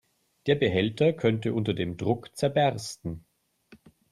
Der Behälter könnte unter dem Druck zerbersten.